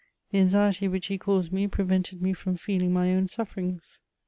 The anxiety which he caused me prevented me fntn feeling my own sufferings.